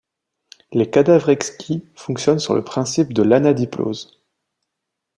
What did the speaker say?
Les cadavres exquis fonctionnent sur le principe de l'anadiplose.